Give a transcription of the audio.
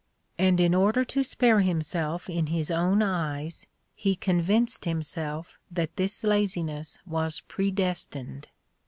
And in order to spare himself in his own eyes he convinced himself that this laziness was predestined.